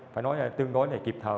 phải nói là tương đối là kịp thờ